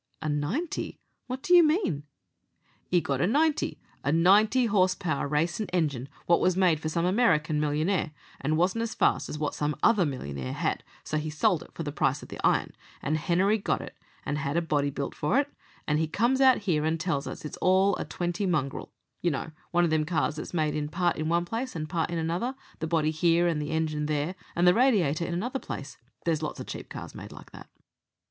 "A ninety! What do you mean?" "'E got a ninety a ninety horse power racin' engine wot was made for some American millionaire and wasn't as fast as wot some other millionaire had, so he sold it for the price of the iron, and Henery got it, and had a body built for it, and he comes out here and tells us all it's a twenty mongrel you know, one of them cars that's made part in one place and part in another, the body here and the engine there, and the radiator another place. There's lots of cheap cars made like that.